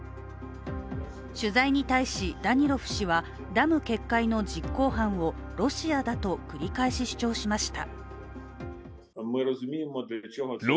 取材に対し、ダニロフ氏はダム決壊の実行犯をロシアだと繰り返し主張しました。